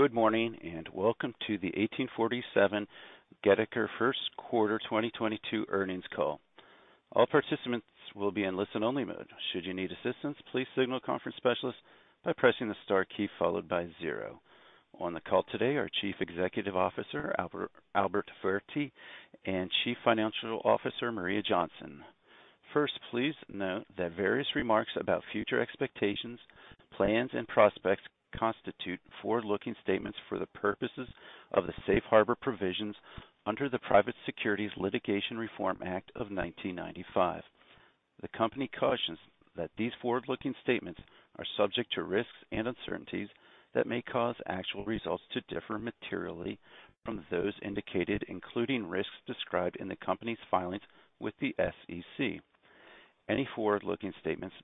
Good morning, and welcome to the 1847 Goedeker Q1 2022 Earnings Call. All participants will be in listen-only mode. Should you need assistance, please signal a conference specialist by pressing the star key followed by zero. On the call today are Chief Executive Officer Albert Fouerti and Chief Financial Officer Maria Johnson. Please note that various remarks about future expectations, plans and prospects constitute forward-looking statements for the purposes of the Safe Harbor Provisions under the Private Securities Litigation Reform Act of 1995. The company cautions that these forward-looking statements are subject to risks and uncertainties that may cause actual results to differ materially from those indicated, including risks described in the company's filings with the SEC. Any forward-looking statements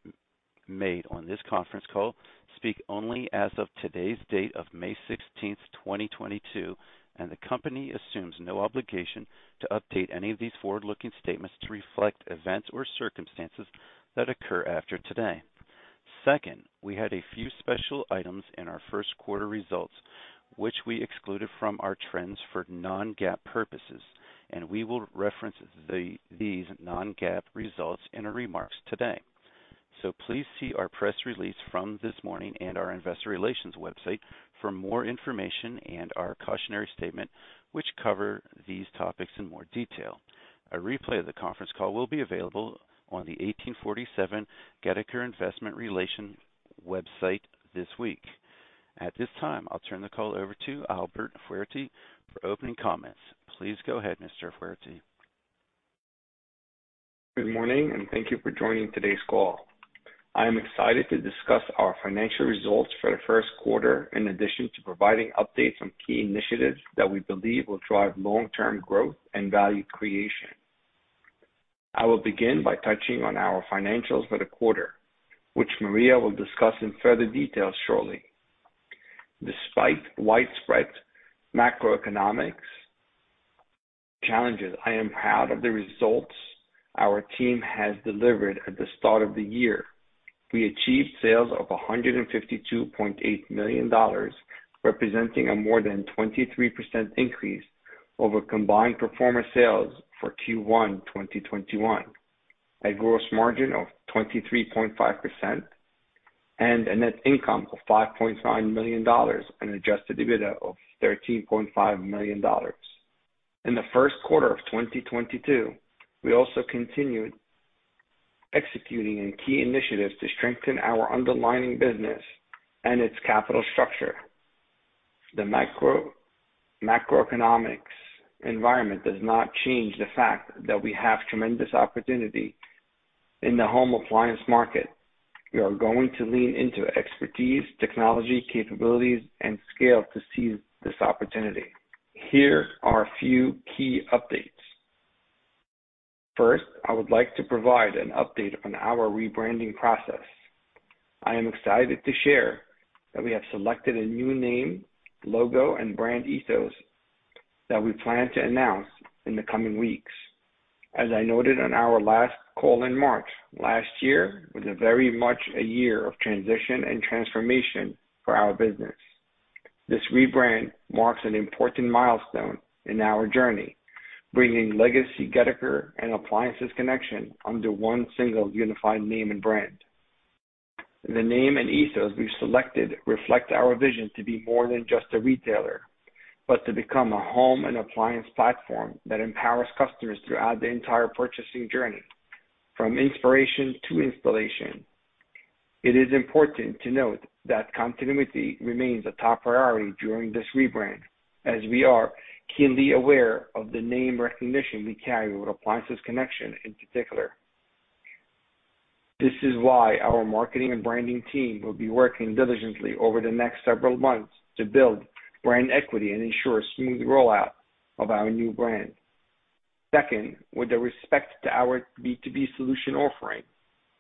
made on this conference call speak only as of today's date of 16th of May 2022, and the company assumes no obligation to update any of these forward-looking statements to reflect events or circumstances that occur after today. Second, we had a few special items in our Q1 results, which we excluded from our trends for non-GAAP purposes, and we will reference these non-GAAP results in our remarks today. Please see our press release from this morning and our investor relations website for more information and our cautionary statement which cover these topics in more detail. A replay of the conference call will be available on the 1847 Goedeker Investor Relations website this week. At this time, I'll turn the call over to Albert Fouerti for opening comments. Please go ahead, Mr. Fouerti. Good morning, and thank you for joining today's call. I am excited to discuss our financial results for the Q1, in addition to providing updates on key initiatives that we believe will drive long-term growth and value creation. I will begin by touching on our financials for the quarter, which Maria will discuss in further detail shortly. Despite widespread macroeconomic challenges, I am proud of the results our team has delivered at the start of the year. We achieved sales of $152.8 million, representing a more than 23% increase over combined pro forma sales for Q1 2021. A gross margin of 23.5% and a net income of $5.9 million and an adjusted EBITDA of $13.5 million. In the Q1 of 2022, we also continued executing in key initiatives to strengthen our underlying business and its capital structure. The macroeconomics environment does not change the fact that we have tremendous opportunity in the home appliance market. We are going to lean into expertise, technology capabilities and scale to seize this opportunity. Here are a few key updates. First, I would like to provide an update on our rebranding process. I am excited to share that we have selected a new name, logo and brand ethos that we plan to announce in the coming weeks. As I noted on our last call in March, last year was very much a year of transition and transformation for our business. This rebrand marks an important milestone in our journey, bringing Legacy Goedeker and Appliances Connection under one single unified name and brand. The name and ethos we've selected reflect our vision to be more than just a retailer, but to become a home and appliance platform that empowers customers throughout the entire purchasing journey, from inspiration to installation. It is important to note that continuity remains a top priority during this rebrand, as we are keenly aware of the name recognition we carry with Appliances Connection in particular. This is why our marketing and branding team will be working diligently over the next several months to build brand equity and ensure a smooth rollout of our new brand. Second, with respect to our B2B solution offering.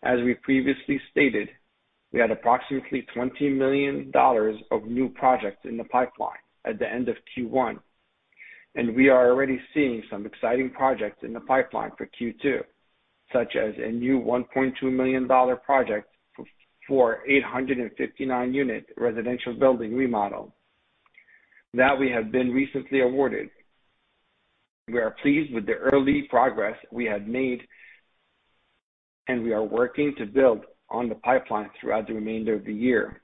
As we previously stated, we had approximately $20 million of new projects in the pipeline at the end of Q1, and we are already seeing some exciting projects in the pipeline for Q2, such as a new $1.2 million project for 859-unit residential building remodel that we have been recently awarded. We are pleased with the early progress we have made, and we are working to build on the pipeline throughout the remainder of the year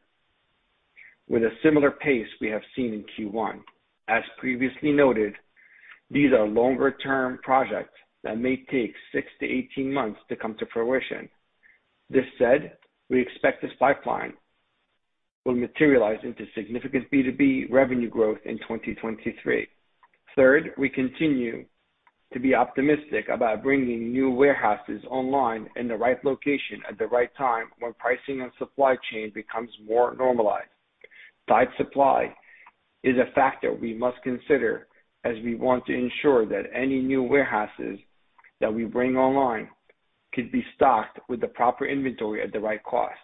with a similar pace we have seen in Q1. As previously noted, these are longer-term projects that may take 6-18 months to come to fruition. This said, we expect this pipeline will materialize into significant B2B revenue growth in 2023. Third, we continue to be optimistic about bringing new warehouses online in the right location at the right time when pricing and supply chain becomes more normalized. Tight supply is a factor we must consider as we want to ensure that any new warehouses that we bring online can be stocked with the proper inventory at the right cost.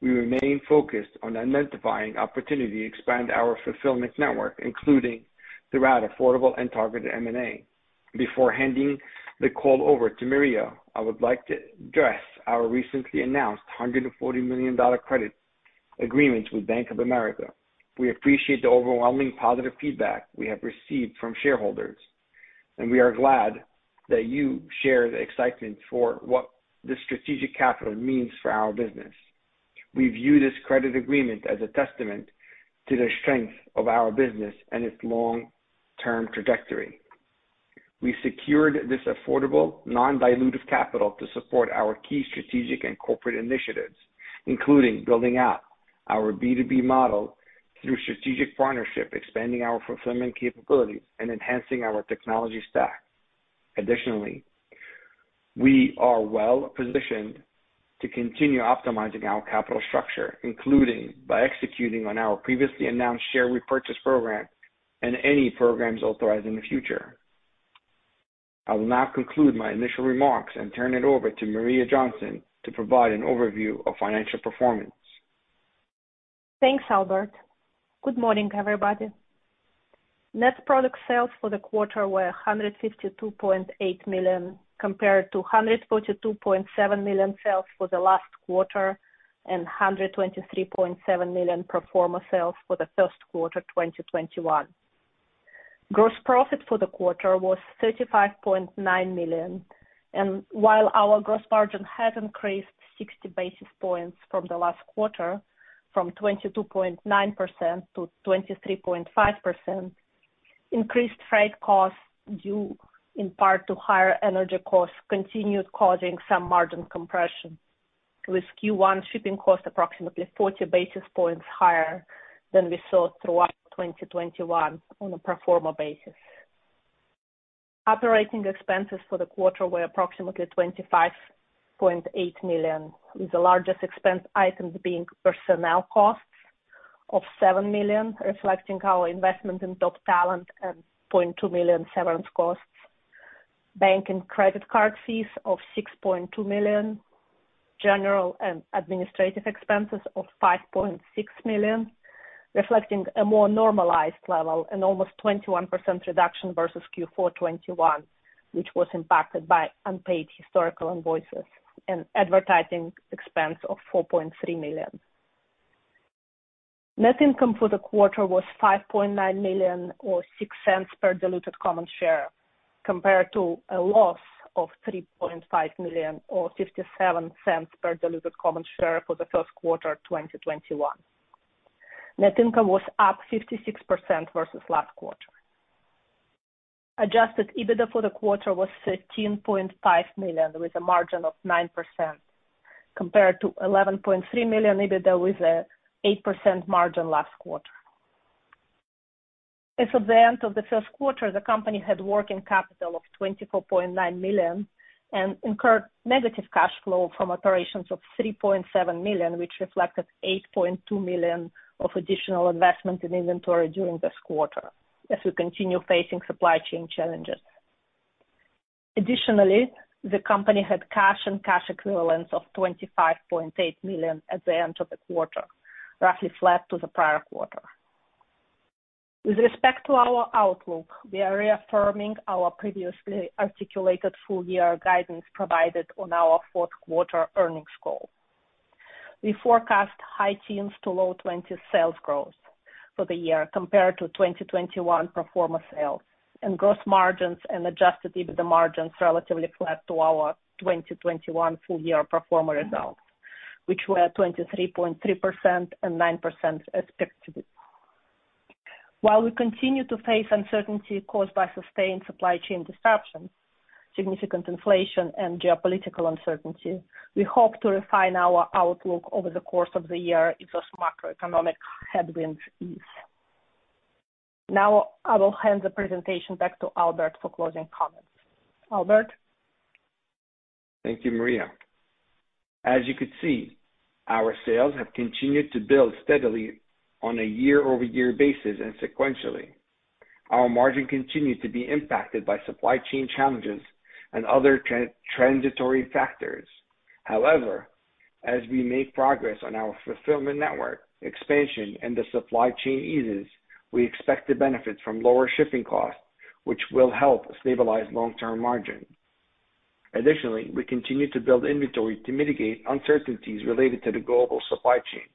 We remain focused on identifying opportunity to expand our fulfillment network, including through affordable and targeted M&A. Before handing the call over to Maria, I would like to address our recently announced $140 million credit agreement with Bank of America. We appreciate the overwhelming positive feedback we have received from shareholders, and we are glad that you share the excitement for what this strategic capital means for our business. We view this credit agreement as a testament to the strength of our business and its long-term trajectory. We secured this affordable non-dilutive capital to support our key strategic and corporate initiatives, including building out our B2B model through strategic partnership, expanding our fulfillment capabilities, and enhancing our technology stack. Additionally, we are well positioned to continue optimizing our capital structure, including by executing on our previously announced share repurchase program and any programs authorized in the future. I will now conclude my initial remarks and turn it over to Maria Johnson to provide an overview of financial performance. Thanks, Albert. Good morning, everybody. Net product sales for the quarter were $152.8 million, compared to $142.7 million sales for the last quarter, and $123.7 million pro forma sales for the Q1 2021. Gross profit for the quarter was $35.9 million. While our gross margin has increased 60 basis points from the last quarter, from 22.9% to 23.5%, increased freight costs, due in part to higher energy costs, continued causing some margin compression, with Q1 shipping costs approximately 40 basis points higher than we saw throughout 2021 on a pro forma basis. Operating expenses for the quarter were approximately $25.8 million, with the largest expense items being personnel costs of $7 million, reflecting our investment in top talent and $0.2 million severance costs. Bank and credit card fees of $6.2 million, general and administrative expenses of $5.6 million, reflecting a more normalized level, an almost 21% reduction versus Q4 2021, which was impacted by unpaid historical invoices and advertising expense of $4.3 million. Net income for the quarter was $5.9 million or $0.06 per diluted common share, compared to a loss of $3.5 million or $0.57 per diluted common share for the Q1 2021. Net income was up 56% versus last quarter. Adjusted EBITDA for the quarter was $13.5 million, with a margin of 9%, compared to $11.3 million EBITDA with an 8% margin last quarter. As of the end of the Q1, the company had working capital of $24.9 million and incurred negative cash flow from operations of $3.7 million, which reflected $8.2 million of additional investment in inventory during this quarter as we continue facing supply chain challenges. Additionally, the company had cash and cash equivalents of $25.8 million at the end of the quarter, roughly flat to the prior quarter. With respect to our outlook, we are reaffirming our previously articulated full year guidance provided on our Q4 earnings call. We forecast high-teens to low-20s sales growth for the year compared to 2021 pro forma sales and gross margins and adjusted EBITDA margins relatively flat to our 2021 full year pro forma results, which were 23.3% and 9% respectively. While we continue to face uncertainty caused by sustained supply chain disruptions, significant inflation and geopolitical uncertainty, we hope to refine our outlook over the course of the year if those macroeconomic headwinds ease. Now I will hand the presentation back to Albert for closing comments. Albert. Thank you, Maria. As you could see, our sales have continued to build steadily on a year-over-year basis and sequentially. Our margin continued to be impacted by supply chain challenges and other transitory factors. However, as we make progress on our fulfillment network expansion and the supply chain eases, we expect the benefits from lower shipping costs, which will help stabilize long-term margin. Additionally, we continue to build inventory to mitigate uncertainties related to the global supply chain,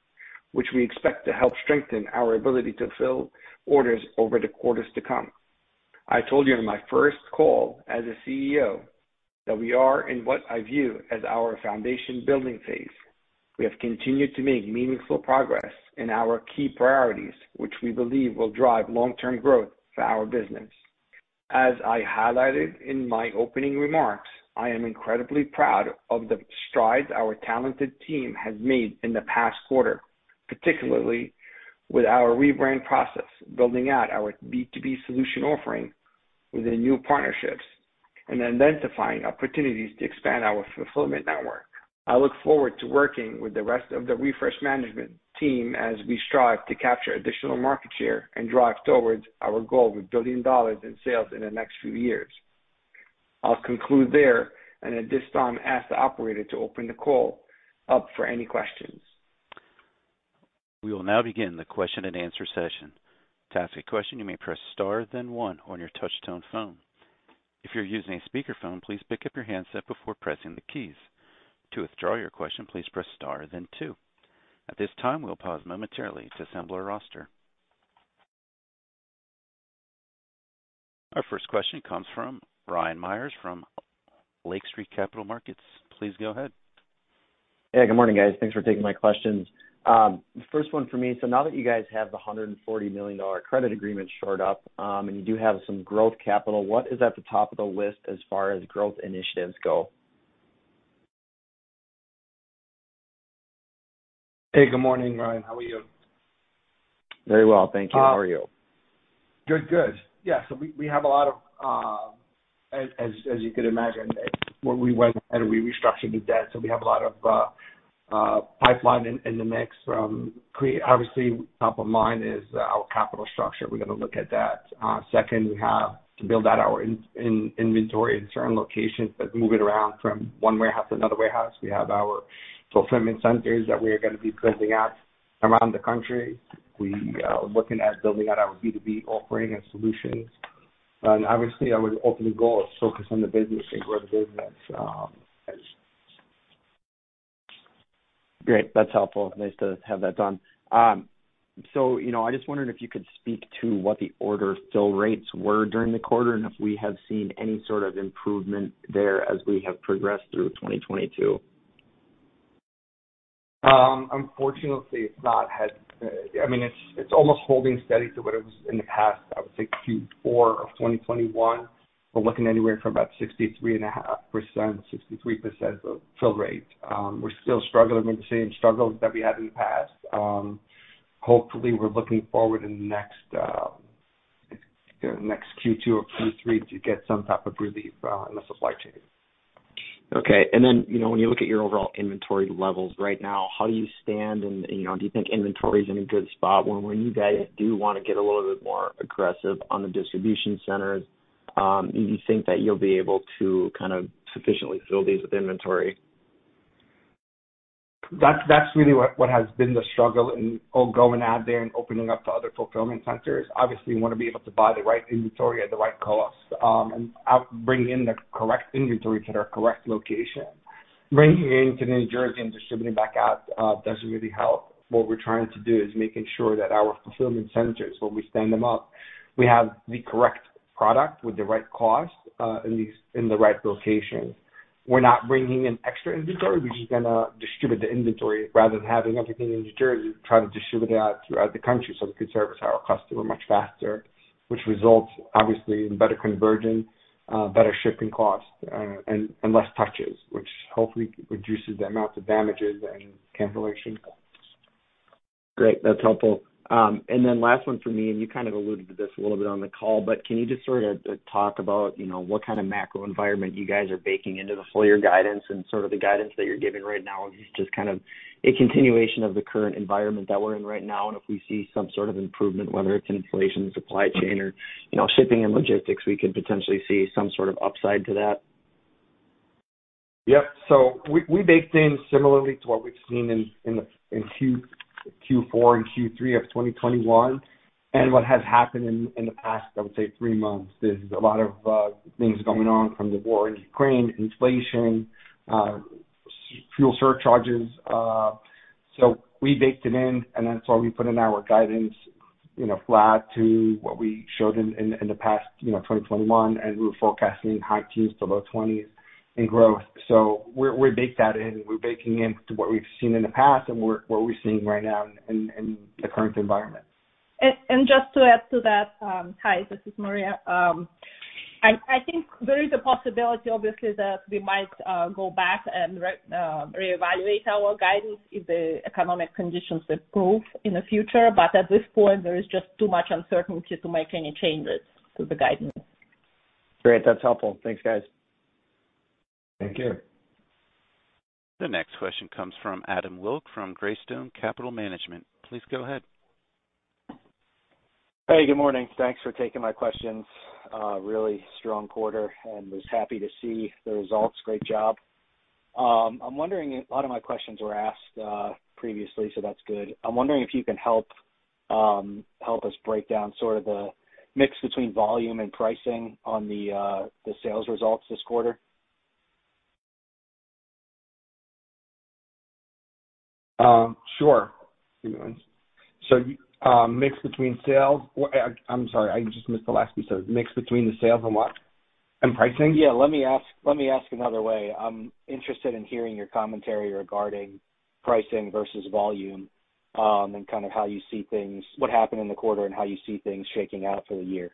which we expect to help strengthen our ability to fill orders over the quarters to come. I told you in my first call as a CEO that we are in what I view as our foundation building phase. We have continued to make meaningful progress in our key priorities, which we believe will drive long-term growth for our business. As I highlighted in my opening remarks, I am incredibly proud of the strides our talented team has made in the past quarter, particularly with our rebrand process, building out our B2B solution offering with the new partnerships, and identifying opportunities to expand our fulfillment network. I look forward to working with the rest of the Polished management team as we strive to capture additional market share and drive towards our goal of $1 billion in sales in the next few years. I'll conclude there and at this time ask the operator to open the call up for any questions. We will now begin the Q&A session. To ask a question, you may press Star then one on your touchtone phone. If you're using a speakerphone, please pick up your handset before pressing the keys. To withdraw your question, please press Star then two. At this time, we'll pause momentarily to assemble a roster. Our first question comes from Ryan Meyers from Lake Street Capital Markets LLC. Please go ahead. Hey, good morning, guys. Thanks for taking my questions. First one for me. Now that you guys have the $140 million credit agreement shored up, and you do have some growth capital, what is at the top of the list as far as growth initiatives go? Hey, good morning, Ryan. How are you? Very well, thank you. How are you? Good. Yeah. We have a lot of, as you can imagine, where we went and we restructured the debt, so we have a lot of pipeline in the mix. Obviously top of mind is our capital structure. We're gonna look at that. Second, we have to build out our inventory in certain locations, but move it around from one warehouse to another warehouse. We have our fulfillment centers that we are gonna be building out around the country. We are looking at building out our B2B offering and solutions. Obviously our ultimate goal is focus on the business and grow the business. Great. That's helpful. Nice to have that done. You know, I just wondered if you could speak to what the order fill rates were during the quarter and if we have seen any sort of improvement there as we have progressed through 2022. Unfortunately, I mean, it's almost holding steady to what it was in the past, I would say Q4 of 2021. We're looking anywhere from about 63.5%, 63% fill rate. We're still struggling with the same struggles that we had in the past. Hopefully, we're looking forward in the next Q2 or Q3 to get some type of relief in the supply chain. Okay. When you look at your overall inventory levels right now, how do you stand and, you know, do you think inventory is in a good spot when you guys do wanna get a little bit more aggressive on the distribution centers, do you think that you'll be able to kind of sufficiently fill these with inventory? That's really what has been the struggle in going out there and opening up to other fulfillment centers. Obviously we wanna be able to buy the right inventory at the right cost, and bring in the correct inventory to their correct location. Bringing it into New Jersey and distributing back out doesn't really help. What we're trying to do is making sure that our fulfillment centers, when we stand them up, we have the correct product with the right cost in the right locations. We're not bringing in extra inventory. We're just gonna distribute the inventory rather than having everything in New Jersey, try to distribute that throughout the country so we could service our customer much faster, which results obviously in better conversion, better shipping costs, and less touches, which hopefully reduces the amount of damages and cancellations. Great. That's helpful. And then last one for me, and you kind of alluded to this a little bit on the call, but can you just sort of talk about, you know, what kind of macro environment you guys are baking into the full year guidance and sort of the guidance that you're giving right now is just kind of a continuation of the current environment that we're in right now. If we see some sort of improvement, whether it's in inflation, supply chain or, you know, shipping and logistics, we could potentially see some sort of upside to that. Yep. We baked in similarly to what we've seen in Q4 and Q3 of 2021. What has happened in the past, I would say three months, is a lot of things going on from the war in Ukraine, inflation, fuel surcharges. We baked it in, and that's why we put in our guidance, you know, flat to what we showed in the past, you know, 2021, and we were forecasting high teens to low twenties in growth. We baked that in. We're baking into what we've seen in the past and what we're seeing right now in the current environment. Just to add to that, hi, this is Maria. I think there is a possibility obviously that we might go back and reevaluate our guidance if the economic conditions improve in the future. At this point, there is just too much uncertainty to make any changes to the guidance. Great. That's helpful. Thanks, guys. Thank you. The next question comes from Adam Wilk from GREYSTONE CAPITAL PARTNERS. Please go ahead. Hey, good morning. Thanks for taking my questions. Really strong quarter and was happy to see the results. Great job. I'm wondering. A lot of my questions were asked previously, so that's good. I'm wondering if you can help us break down sort of the mix between volume and pricing on the sales results this quarter. Sure. Mix between sales. I'm sorry, I just missed the last piece. Mix between the sales and what? And pricing? Yeah. Let me ask another way. I'm interested in hearing your commentary regarding pricing versus volume, and kind of how you see things, what happened in the quarter and how you see things shaking out for the year.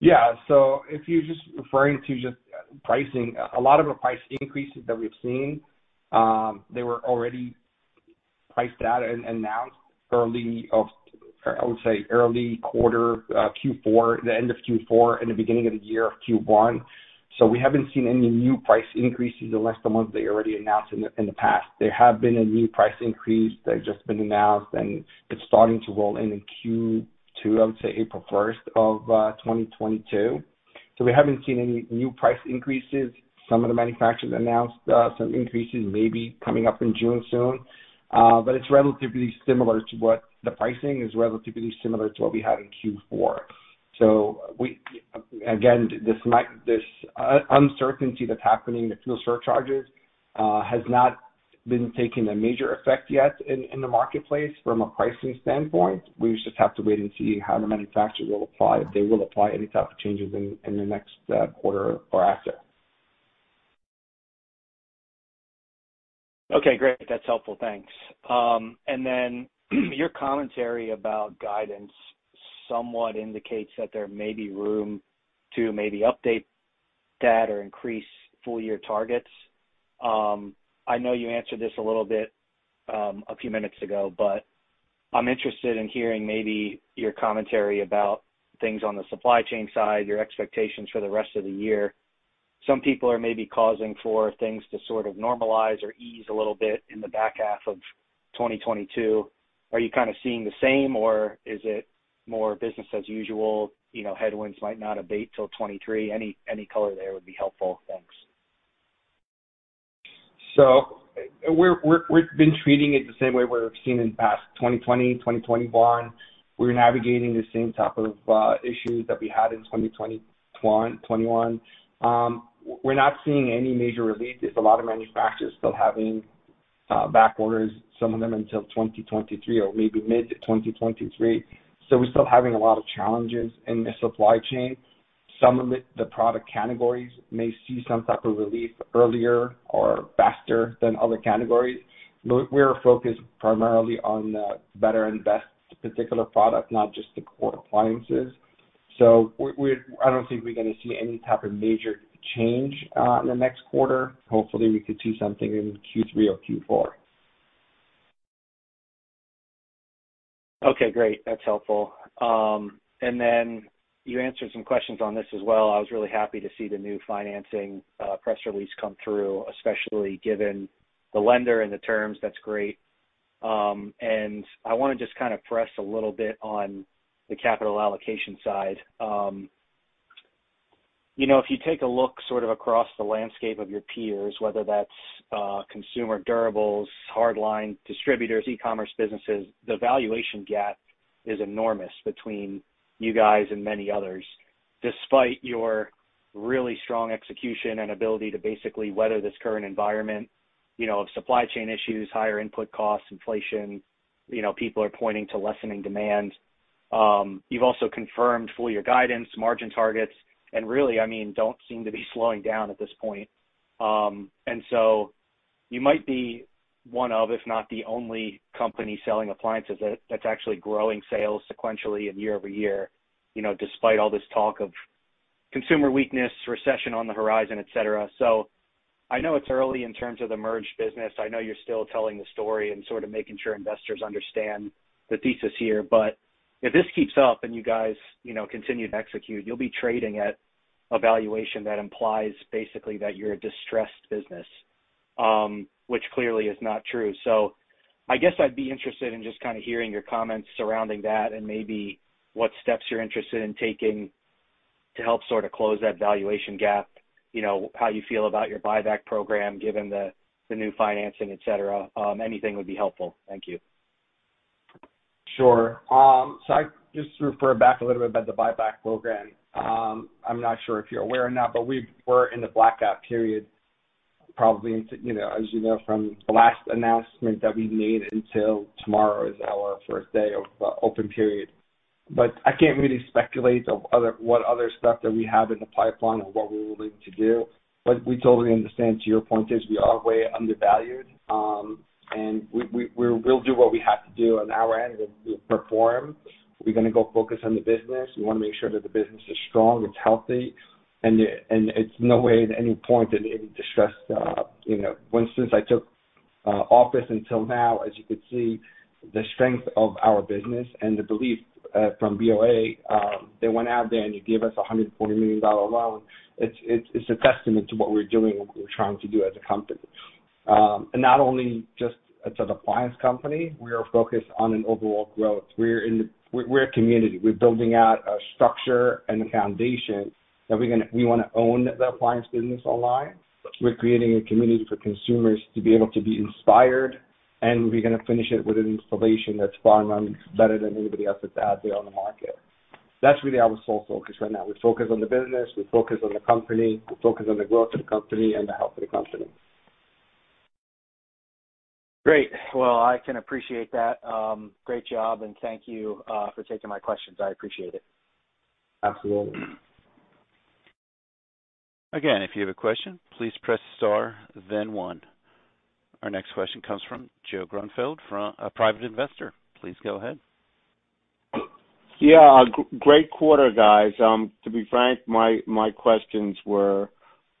Yeah. If you're just referring to just pricing, a lot of the price increases that we've seen, they were already priced out and announced early quarter, Q4, the end of Q4 and the beginning of the year of Q1. We haven't seen any new price increases unless the ones they already announced in the past. There have been a new price increase that have just been announced, and it's starting to roll in in Q2, I would say April first of 2022. We haven't seen any new price increases. Some of the manufacturers announced some increases maybe coming up in June soon. The pricing is relatively similar to what we had in Q4. Again, this uncertainty that's happening, the fuel surcharges, has not been taking a major effect yet in the marketplace from a pricing standpoint. We just have to wait and see how the manufacturers will apply, if they will apply any type of changes in the next quarter or after. Okay, great. That's helpful. Thanks. And then your commentary about guidance somewhat indicates that there may be room to maybe update that or increase full year targets. I know you answered this a little bit a few minutes ago, but I'm interested in hearing maybe your commentary about things on the supply chain side, your expectations for the rest of the year. Some people are maybe calling for things to sort of normalize or ease a little bit in the back half of 2022. Are you kind of seeing the same or is it more business as usual? You know, headwinds might not abate till 2023. Any color there would be helpful. Thanks. We're treating it the same way we've seen in the past. 2020, 2021, we're navigating the same type of issues that we had in 2021. We're not seeing any major relief. There's a lot of manufacturers still having back orders, some of them until 2023 or maybe mid-2023. We're still having a lot of challenges in the supply chain. Some of it, the product categories may see some type of relief earlier or faster than other categories. We're focused primarily on better and best particular product, not just the core appliances. I don't think we're gonna see any type of major change in the next quarter. Hopefully, we could see something in Q3 or Q4. Okay, great. That's helpful. You answered some questions on this as well. I was really happy to see the new financing press release come through, especially given the lender and the terms. That's great. I wanna just kind of press a little bit on the capital allocation side. You know, if you take a look sort of across the landscape of your peers, whether that's consumer durables, hard line distributors, e-commerce businesses, the valuation gap is enormous between you guys and many others, despite your really strong execution and ability to basically weather this current environment, you know, of supply chain issues, higher input costs, inflation, you know, people are pointing to lessening demand. You've also confirmed full year guidance, margin targets, and really, I mean, don't seem to be slowing down at this point. You might be one of, if not the only company selling appliances that's actually growing sales sequentially and year over year, you know, despite all this talk of consumer weakness, recession on the horizon, et cetera. I know it's early in terms of the merged business. I know you're still telling the story and sort of making sure investors understand the thesis here. If this keeps up and you guys, you know, continue to execute, you'll be trading at a valuation that implies basically that you're a distressed business, which clearly is not true. I guess I'd be interested in just kind of hearing your comments surrounding that and maybe what steps you're interested in taking to help sort of close that valuation gap, you know, how you feel about your buyback program, given the new financing, et cetera. Anything would be helpful. Thank you. Sure. So I just refer back a little bit about the buyback program. I'm not sure if you're aware or not, but we were in the blackout period probably into, you know, as you know, from the last announcement that we made until tomorrow is our first day of open period. I can't really speculate on what other stuff that we have in the pipeline or what we're willing to do. We totally understand. To your point, we are way undervalued, and we'll do what we have to do on our end, and we'll perform. We're gonna go focus on the business. We wanna make sure that the business is strong, it's healthy, and it's no way at any point in any distressed, you know. Since I took office until now, as you can see, the strength of our business and the belief from BOA, they went out there and they gave us a $140 million loan. It's a testament to what we're doing and what we're trying to do as a company. Not only just as an appliance company, we are focused on an overall growth. We're a community. We're building out a structure and a foundation that we wanna own the appliance business online. We're creating a community for consumers to be able to be inspired, and we're gonna finish it with an installation that's far and better than anybody else that's out there on the market. That's really our sole focus right now. We focus on the business, we focus on the company, we focus on the growth of the company and the health of the company. Great. Well, I can appreciate that. Great job, and thank you for taking my questions. I appreciate it. Absolutely. Again, if you have a question, please press star then one. Our next question comes from Joseph Grunfeld from Private Investor. Please go ahead. Yeah. Great quarter, guys. To be frank, my questions were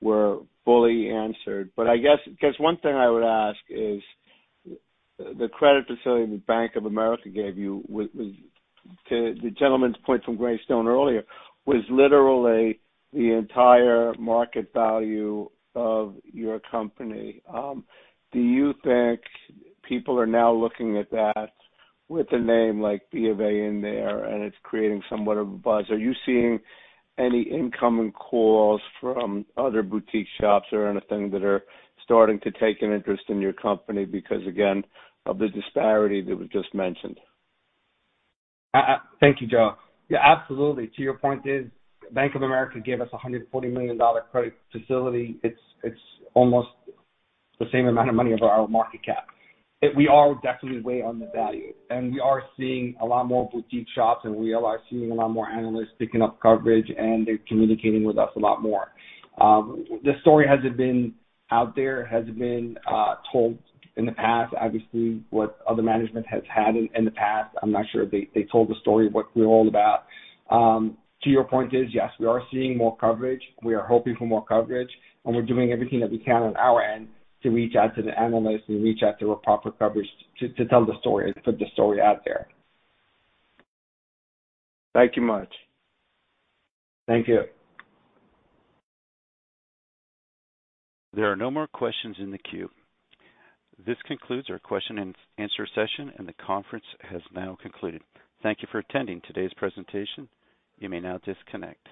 fully answered. I guess one thing I would ask is the credit facility that Bank of America gave you was to the gentleman's point from Greystone earlier, was literally the entire market value of your company. Do you think people are now looking at that with a name like B of A in there and it's creating somewhat of a buzz? Are you seeing any incoming calls from other boutique shops or anything that are starting to take an interest in your company because again of the disparity that was just mentioned? Thank you, Joe. Yeah, absolutely. To your point is Bank of America gave us a $140 million credit facility. It's almost the same amount of money of our market cap. We are definitely way undervalued, and we are seeing a lot more boutique shops, and we are seeing a lot more analysts picking up coverage, and they're communicating with us a lot more. The story hasn't been out there, hasn't been told in the past. Obviously, what other management has had in the past, I'm not sure they told the story of what we're all about. To your point is, yes, we are seeing more coverage. We are hoping for more coverage, and we're doing everything that we can on our end to reach out to the analysts and reach out to a proper coverage to tell the story and put the story out there. Thank you much. Thank you. There are no more questions in the queue. This concludes our Q&A session, and the conference has now concluded. Thank you for attending today's presentation. You may now disconnect.